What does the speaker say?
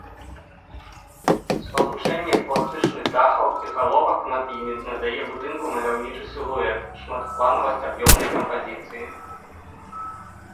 Спалучэнне пластычных дахаў і галовак над імі надае будынку маляўнічы сілуэт, шматпланавасць аб'ёмнай кампазіцыі.